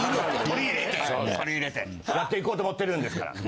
取り入れてやっていこうと思ってるんですから。